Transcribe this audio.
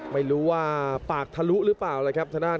ไม่รู้ว่าปากทะลุหรือเปล่าเลยครับทางด้าน